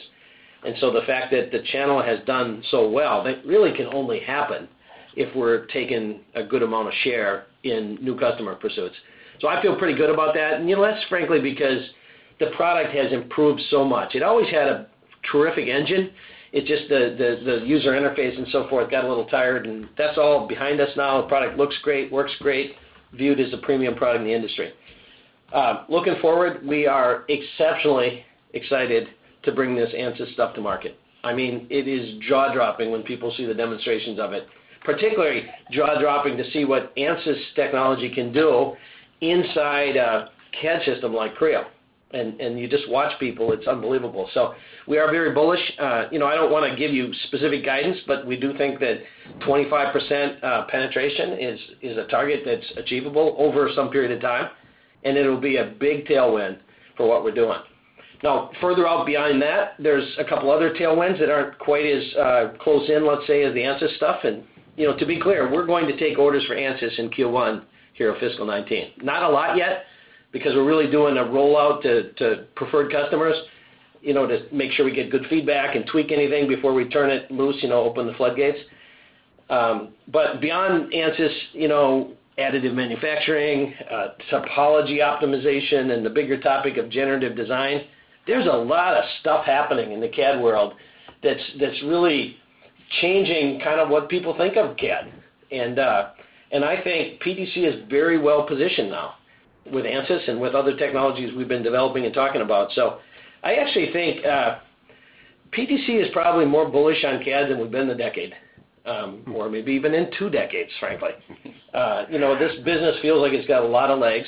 The fact that the channel has done so well, that really can only happen if we're taking a good amount of share in new customer pursuits. I feel pretty good about that. That's frankly because the product has improved so much. It always had a terrific engine. It's just the user interface and so forth got a little tired, and that's all behind us now. The product looks great, works great, viewed as a premium product in the industry. Looking forward, we are exceptionally excited to bring this Ansys stuff to market. It is jaw-dropping when people see the demonstrations of it. Particularly jaw-dropping to see what Ansys technology can do inside a CAD system like Creo. You just watch people, it's unbelievable. We are very bullish. I don't want to give you specific guidance, but we do think that 25% penetration is a target that's achievable over some period of time, and it'll be a big tailwind for what we're doing. Now, further out behind that, there's a couple other tailwinds that aren't quite as close in, let's say, as the Ansys stuff. To be clear, we're going to take orders for Ansys in Q1 here of fiscal 2019. Not a lot yet, because we're really doing a rollout to preferred customers, to make sure we get good feedback and tweak anything before we turn it loose, open the floodgates. Beyond Ansys, additive manufacturing, topology optimization, and the bigger topic of generative design, there's a lot of stuff happening in the CAD world that's really changing what people think of CAD. I think PTC is very well-positioned now with Ansys and with other technologies we've been developing and talking about. I actually think PTC is probably more bullish on CAD than we've been in a decade, or maybe even in two decades, frankly. This business feels like it's got a lot of legs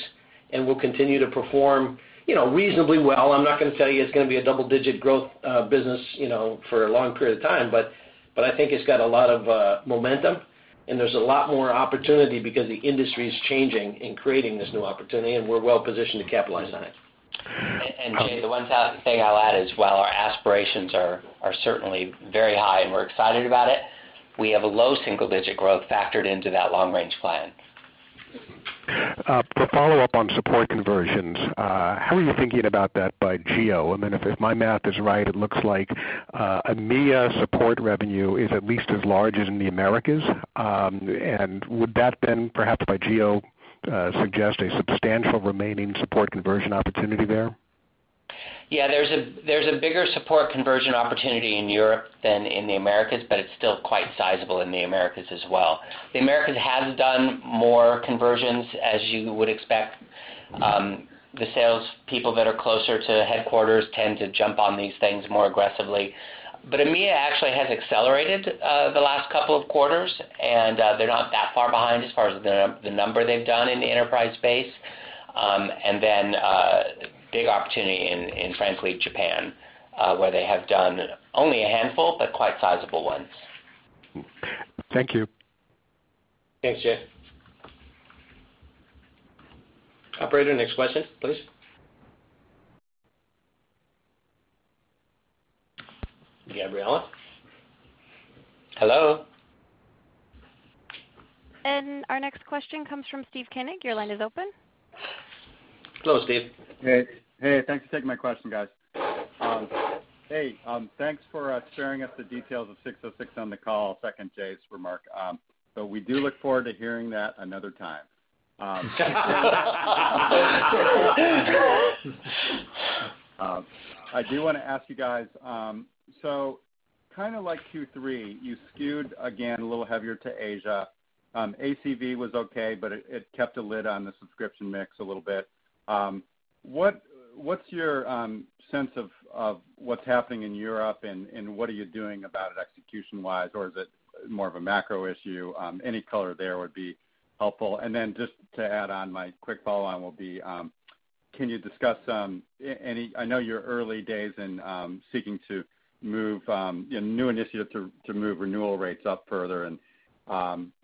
and will continue to perform reasonably well. I'm not going to tell you it's going to be a double-digit growth business for a long period of time. I think it's got a lot of momentum, and there's a lot more opportunity because the industry's changing and creating this new opportunity, and we're well positioned to capitalize on it. Jay, the one thing I'll add is while our aspirations are certainly very high and we're excited about it, we have a low single-digit growth factored into that long-range plan. For follow-up on support conversions, how are you thinking about that by geo? If my math is right, it looks like EMEA support revenue is at least as large as in the Americas. Would that then perhaps by geo suggest a substantial remaining support conversion opportunity there? There's a bigger support conversion opportunity in Europe than in the Americas, it's still quite sizable in the Americas as well. The Americas has done more conversions, as you would expect. The salespeople that are closer to headquarters tend to jump on these things more aggressively. EMEA actually has accelerated the last couple of quarters, and they're not that far behind as far as the number they've done in the enterprise space. A big opportunity in, frankly, Japan, where they have done only a handful, but quite sizable ones. Thank you. Thanks, Jay. Operator, next question, please. Gabriella? Hello? Our next question comes from Steve Koenig. Your line is open. Hello, Steve. Hey. Thanks for taking my question, guys. Hey, thanks for sharing with us the details of 606 on the call. Second Jay's remark. We do look forward to hearing that another time. I do want to ask you guys, Q3, you skewed again a little heavier to Asia. ACV was okay, but it kept a lid on the subscription mix a little bit. What's your sense of what's happening in Europe and what are you doing about it execution-wise? Or is it more of a macro issue? Any color there would be helpful. Just to add on, my quick follow-on will be, can you discuss any, I know you're early days in seeking to move a new initiative to move renewal rates up further, and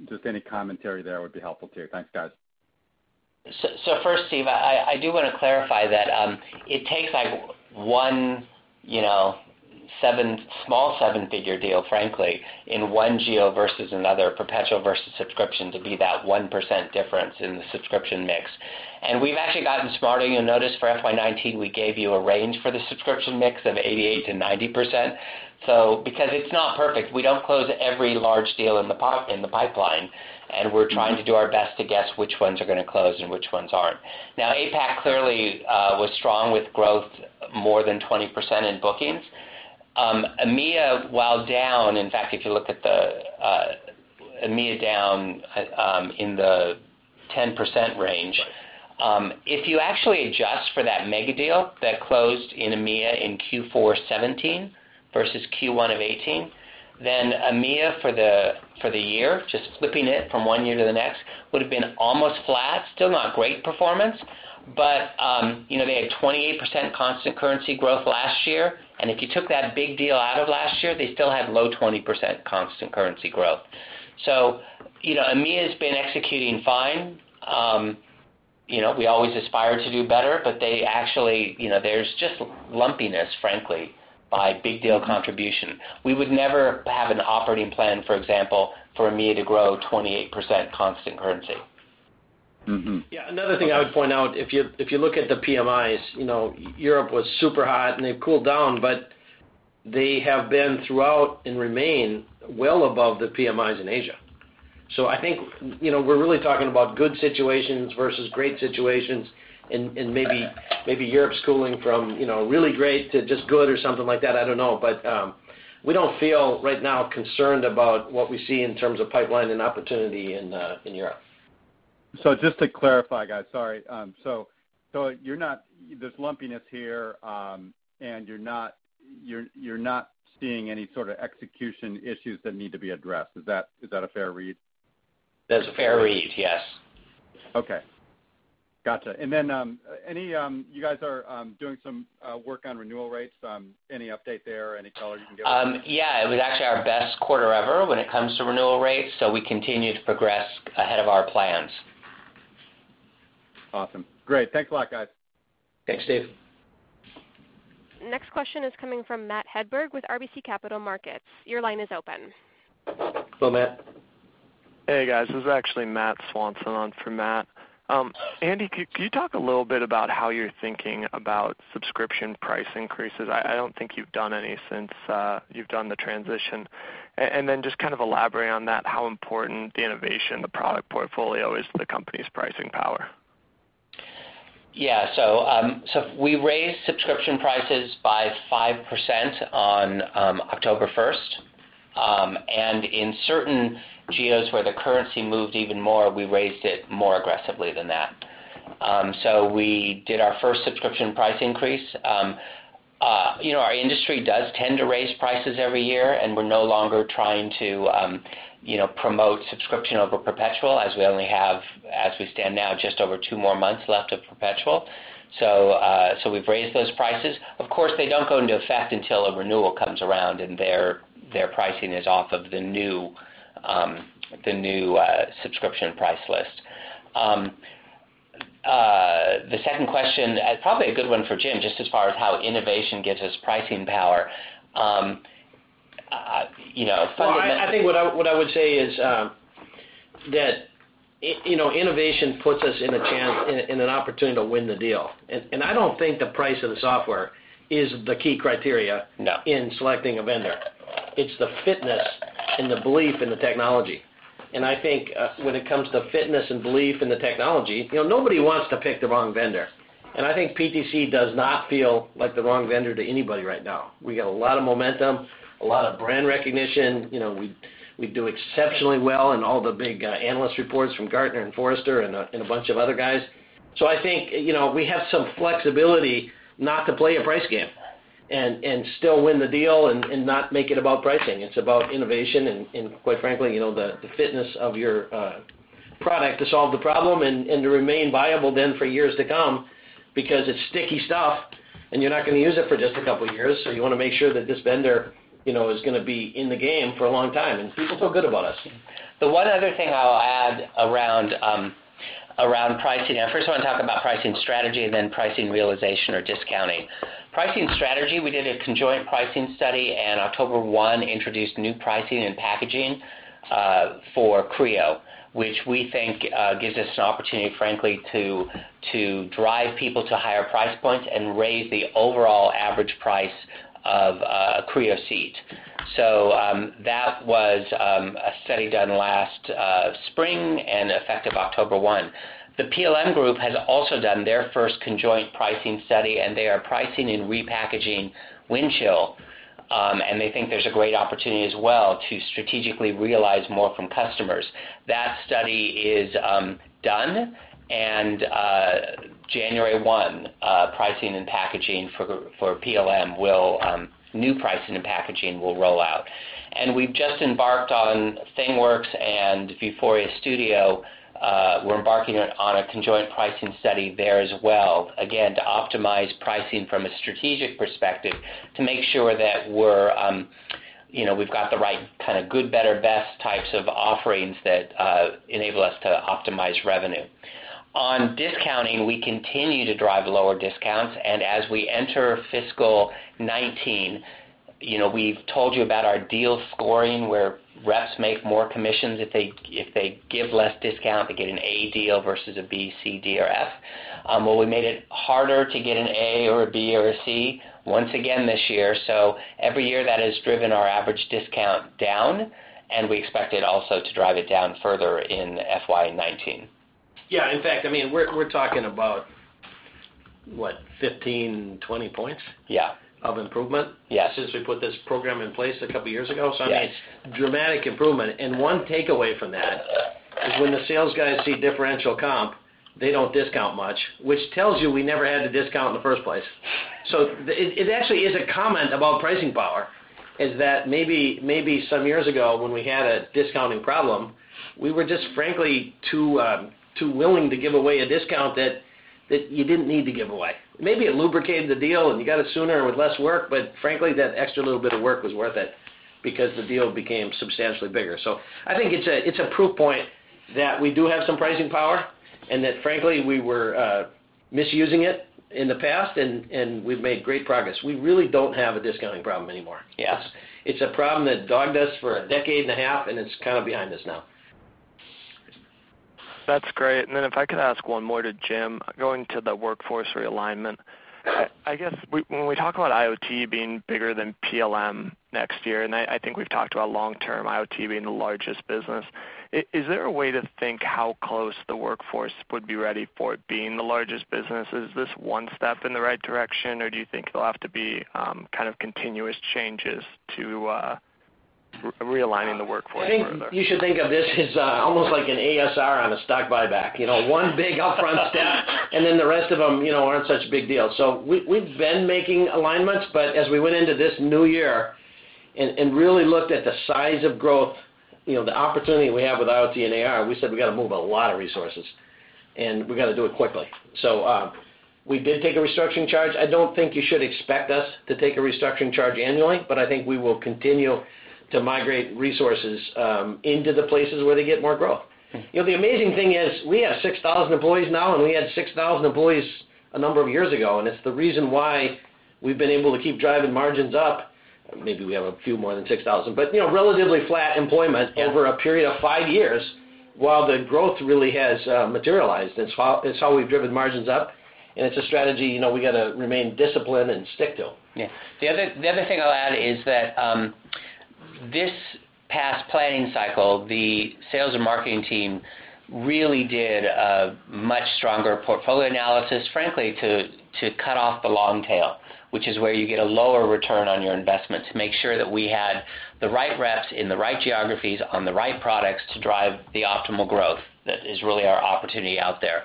just any commentary there would be helpful, too. Thanks, guys. First, Steve, I do want to clarify that it takes one small seven-figure deal, frankly, in one geo versus another, perpetual versus subscription, to be that 1% difference in the subscription mix. We've actually gotten smarter. You'll notice for FY 2019, we gave you a range for the subscription mix of 88%-90%. Because it's not perfect. We don't close every large deal in the pipeline, and we're trying to do our best to guess which ones are going to close and which ones aren't. APAC clearly was strong with growth more than 20% in bookings. EMEA, while down, in fact, if you look at the EMEA down in the 10% range. If you actually adjust for that mega deal that closed in EMEA in Q4 2017 versus Q1 of 2018, EMEA for the year, just flipping it from one year to the next, would've been almost flat. Still not great performance, but they had 28% constant currency growth last year. If you took that big deal out of last year, they still had low 20% constant currency growth. EMEA's been executing fine. We always aspire to do better, but there's just lumpiness, frankly, by big deal contribution. We would never have an operating plan, for example, for EMEA to grow 28% constant currency. Yeah. Another thing I would point out, if you look at the PMIs, Europe was super hot, and they've cooled down, but they have been throughout and remain well above the PMIs in Asia. I think we're really talking about good situations versus great situations, and maybe Europe's cooling from really great to just good or something like that. I don't know. We don't feel right now concerned about what we see in terms of pipeline and opportunity in Europe. Just to clarify, guys, sorry. There's lumpiness here, and you're not seeing any sort of execution issues that need to be addressed. Is that a fair read? That's a fair read, yes. Okay. Gotcha. You guys are doing some work on renewal rates. Any update there? Any color you can give us? It was actually our best quarter ever when it comes to renewal rates, so we continue to progress ahead of our plans. Awesome. Great. Thanks a lot, guys. Thanks, Steve. Next question is coming from Matthew Hedberg with RBC Capital Markets. Your line is open. Hello, Matt. Hey, guys. This is actually Matt Swanson on for Matt. Andy, could you talk a little bit about how you're thinking about subscription price increases? I don't think you've done any since you've done the transition. Just kind of elaborate on that, how important the innovation, the product portfolio is to the company's pricing power. Yeah. We raised subscription prices by 5% on October 1st. In certain geos where the currency moved even more, we raised it more aggressively than that. We did our first subscription price increase. Our industry does tend to raise prices every year, and we're no longer trying to promote subscription over perpetual, as we only have, as we stand now, just over two more months left of perpetual. We've raised those prices. Of course, they don't go into effect until a renewal comes around and their pricing is off of the new subscription price list. The second question, probably a good one for Jim, just as far as how innovation gives us pricing power. I think what I would say is that innovation puts us in a chance, in an opportunity to win the deal. I don't think the price of the software is the key criteria- No in selecting a vendor. It's the fitness and the belief in the technology. I think when it comes to fitness and belief in the technology, nobody wants to pick the wrong vendor. I think PTC does not feel like the wrong vendor to anybody right now. We got a lot of momentum, a lot of brand recognition. We do exceptionally well in all the big analyst reports from Gartner and Forrester and a bunch of other guys. I think, we have some flexibility not to play a price game and still win the deal and not make it about pricing. It's about innovation and, quite frankly, the fitness of your product to solve the problem and to remain viable then for years to come. It's sticky stuff, and you're not going to use it for just a couple of years. You want to make sure that this vendor is going to be in the game for a long time, and people feel good about us. The one other thing I'll add around pricing. I first want to talk about pricing strategy and then pricing realization or discounting. Pricing strategy, we did a conjoint pricing study, and October 1 introduced new pricing and packaging for Creo, which we think gives us an opportunity, frankly, to drive people to higher price points and raise the overall average price of a Creo seat. That was a study done last spring and effective October 1. The PLM group has also done their first conjoint pricing study, and they are pricing and repackaging Windchill. They think there's a great opportunity as well to strategically realize more from customers. That study is done, and January 1, new pricing and packaging will roll out. We've just embarked on ThingWorx and Vuforia Studio. We're embarking on a conjoint pricing study there as well, again, to optimize pricing from a strategic perspective, to make sure that we've got the right kind of good, better, best types of offerings that enable us to optimize revenue. On discounting, we continue to drive lower discounts, and as we enter fiscal 2019, we've told you about our deal scoring where reps make more commissions if they give less discount. They get an A deal versus a B, C, D, or F. Well, we made it harder to get an A or a B or a C, once again this year. Every year, that has driven our average discount down, and we expect it also to drive it down further in FY 2019. Yeah. In fact, we're talking about, what? 15, 20 points. Yeah of improvement. Yeah since we put this program in place a couple of years ago. Yes. I mean, dramatic improvement. One takeaway from that is when the sales guys see differential comp, they don't discount much, which tells you we never had to discount in the first place. It actually is a comment about pricing power, is that maybe some years ago when we had a discounting problem, we were just frankly too willing to give away a discount that you didn't need to give away. Maybe it lubricated the deal, and you got it sooner and with less work, frankly, that extra little bit of work was worth it because the deal became substantially bigger. I think it's a proof point that we do have some pricing power, and that frankly, we were misusing it in the past, and we've made great progress. We really don't have a discounting problem anymore. Yes. It's a problem that dogged us for a decade and a half, it's kind of behind us now. That's great. If I could ask one more to Jim, going to the workforce realignment. I guess when we talk about IoT being bigger than PLM next year, and I think we've talked about long-term IoT being the largest business. Is there a way to think how close the workforce would be ready for it being the largest business? Is this one step in the right direction, or do you think there'll have to be kind of continuous changes to realigning the workforce further? I think you should think of this as almost like an ASR on a stock buyback. One big upfront step. The rest of them aren't such a big deal. We've been making alignments, but as we went into this new year and really looked at the size of growth, the opportunity we have with IoT and AR, we said we got to move a lot of resources. We got to do it quickly. We did take a restructuring charge. I don't think you should expect us to take a restructuring charge annually, but I think we will continue to migrate resources into the places where they get more growth. The amazing thing is we have 6,000 employees now, and we had 6,000 employees a number of years ago. It's the reason why we've been able to keep driving margins up. Maybe we have a few more than 6,000. Relatively flat employment over a period of five years, while the growth really has materialized. It's how we've driven margins up, and it's a strategy we got to remain disciplined and stick to. Yeah. The other thing I'll add is that this past planning cycle, the sales and marketing team really did a much stronger portfolio analysis, frankly, to cut off the long tail, which is where you get a lower return on your investment, to make sure that we had the right reps in the right geographies on the right products to drive the optimal growth that is really our opportunity out there.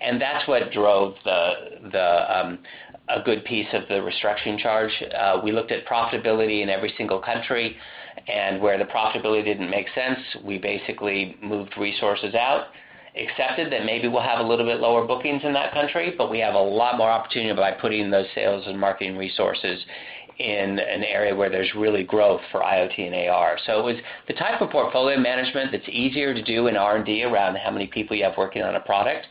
That's what drove a good piece of the restructuring charge. We looked at profitability in every single country, and where the profitability didn't make sense, we basically moved resources out, accepted that maybe we'll have a little bit lower bookings in that country, but we have a lot more opportunity by putting those sales and marketing resources in an area where there's really growth for IoT and AR. It was the type of portfolio management that's easier to do in R&D around how many people you have working on a product,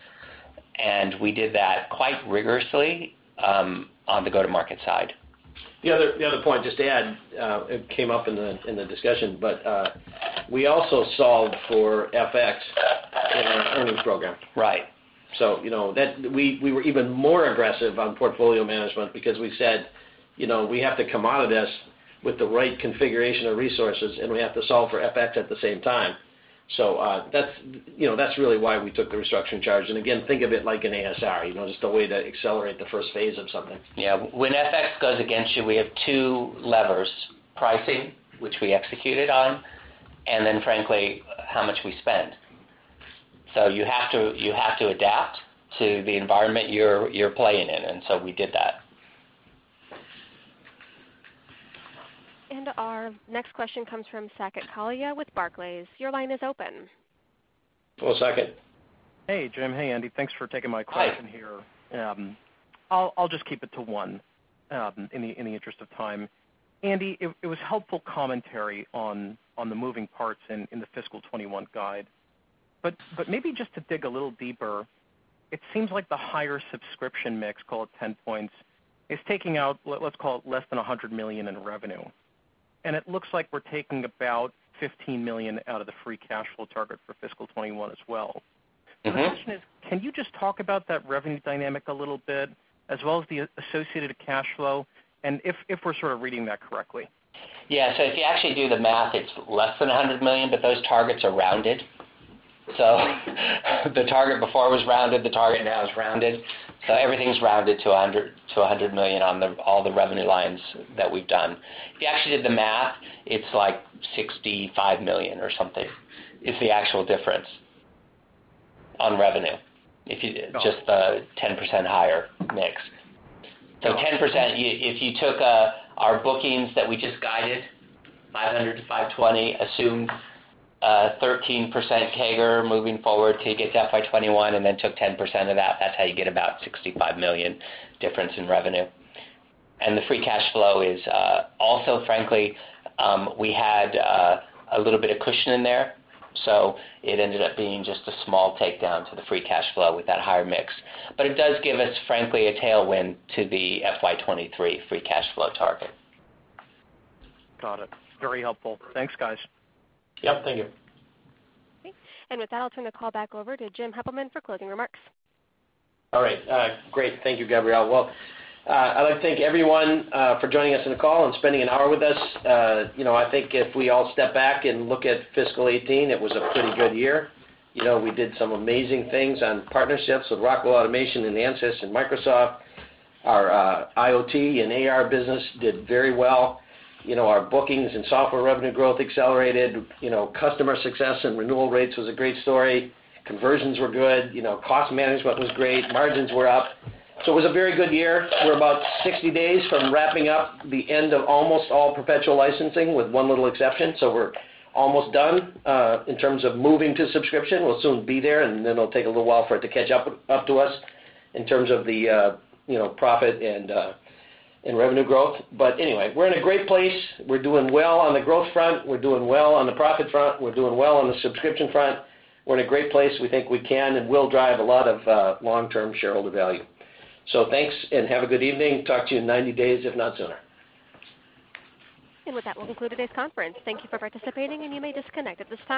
and we did that quite rigorously on the go-to-market side. The other point, just to add, it came up in the discussion, but we also solved for FX in our earnings program. Right. We were even more aggressive on portfolio management because we said we have to come out of this with the right configuration of resources, and we have to solve for FX at the same time. That's really why we took the restructuring charge. Again, think of it like an ASR, just a way to accelerate the first phase of something. Yeah. When FX goes against you, we have two levers, pricing, which we executed on, and then frankly, how much we spend. You have to adapt to the environment you're playing in, and so we did that. Our next question comes from Saket Kalia with Barclays. Your line is open. Hello, Saket. Hey, Jim. Hey, Andy. Thanks for taking my call in here. Hi. I'll just keep it to one in the interest of time. Andy, it was helpful commentary on the moving parts in the fiscal 2021 guide. Maybe just to dig a little deeper, it seems like the higher subscription mix, call it 10 points, is taking out, let's call it, less than $100 million in revenue. It looks like we're taking about $15 million out of the free cash flow target for fiscal 2021 as well. My question is, can you just talk about that revenue dynamic a little bit, as well as the associated cash flow and if we're sort of reading that correctly? Yeah. If you actually do the math, it's less than $100 million, those targets are rounded. The target before was rounded. The target now is rounded. Everything's rounded to $100 million on all the revenue lines that we've done. If you actually did the math, it's like $65 million or something is the actual difference on revenue, just the 10% higher mix. 10%, if you took our bookings that we just guided, $500-$520, assumed 13% CAGR moving forward to get to FY 2021 and then took 10% of that's how you get about $65 million difference in revenue. The free cash flow is also, frankly, we had a little bit of cushion in there, so it ended up being just a small takedown to the free cash flow with that higher mix. It does give us, frankly, a tailwind to the FY 2023 free cash flow target. Got it. Very helpful. Thanks, guys. Yep, thank you. Okay. With that, I'll turn the call back over to James Heppelmann for closing remarks. All right. Great. Thank you, Gabriella. I'd like to thank everyone for joining us on the call and spending an hour with us. I think if we all step back and look at fiscal 2018, it was a pretty good year. We did some amazing things on partnerships with Rockwell Automation and Ansys and Microsoft. Our IoT and AR business did very well. Our bookings and software revenue growth accelerated. Customer success and renewal rates was a great story. Conversions were good. Cost management was great. Margins were up. It was a very good year. We're about 60 days from wrapping up the end of almost all perpetual licensing with one little exception. We're almost done in terms of moving to subscription. We'll soon be there, and then it'll take a little while for it to catch up to us in terms of the profit and revenue growth. Anyway, we're in a great place. We're doing well on the growth front. We're doing well on the profit front. We're doing well on the subscription front. We're in a great place. We think we can and will drive a lot of long-term shareholder value. Thanks, and have a good evening. Talk to you in 90 days, if not sooner. With that, we'll conclude today's conference. Thank you for participating, and you may disconnect at this time.